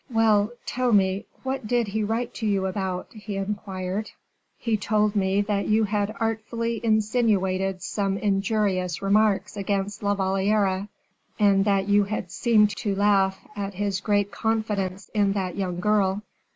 "Well, tell me, what did he write to you about?" he inquired. "He told me that you had artfully insinuated some injurious remarks against La Valliere, and that you had seemed to laugh at his great confidence in that young girl."